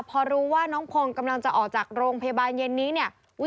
พอรู้ว่าน้องพงศ์กำลังจะออกจากโรงพยาบาลเย็นนี้เนี่ย